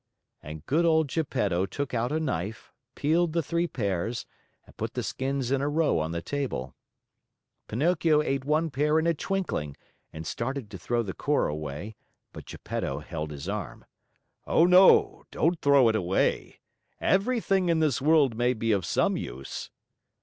And good old Geppetto took out a knife, peeled the three pears, and put the skins in a row on the table. Pinocchio ate one pear in a twinkling and started to throw the core away, but Geppetto held his arm. "Oh, no, don't throw it away! Everything in this world may be of some use!"